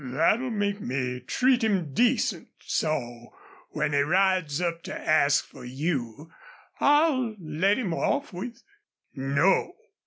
"That'll make me treat him decent, so when he rides up to ask for you I'll let him off with, 'No!"